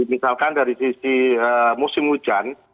misalkan dari sisi musim hujan